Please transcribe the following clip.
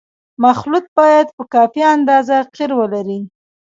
مخلوط باید په کافي اندازه قیر ولري